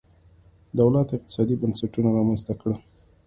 دولت اقتصادي بنسټونه رامنځته کړل.